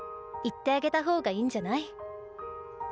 言ってあげた方がいいんじゃない？